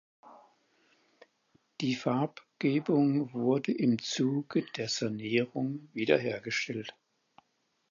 Die Farbgebung wurde im Zuge der Sanierung wieder hergestellt.